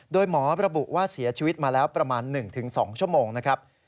โดยหมอระบุว่าเสียชีวิตมาแล้วประมาณ๑๒ชั่วโมงนะครับ